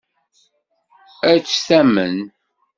Ad tt-tamen?